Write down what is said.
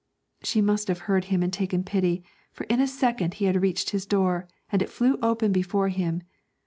She must have heard him and taken pity, for in a second he had reached his door, and it flew open before him.